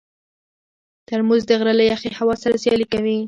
ترموز د غره له یخې هوا سره سیالي کوي.